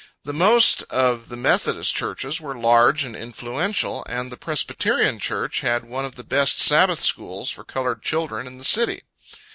The most of the Methodist churches were large and influential; and the Presbyterian church had one of the best Sabbath schools for colored children in the city.